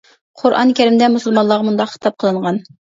«قۇرئان كەرىم» دە مۇسۇلمانلارغا مۇنداق خىتاب قىلىنغان.